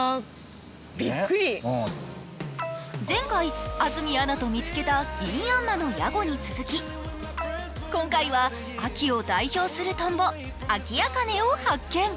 前回、安住アナと見つけたギンヤンマのヤゴに続き、今回は秋を代表するトンボ、アキアカネを発見。